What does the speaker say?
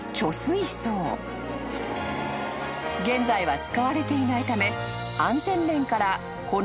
［現在は使われていないため］